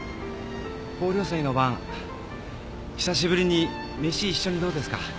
豊漁祭の晩久しぶりに飯一緒にどうですか？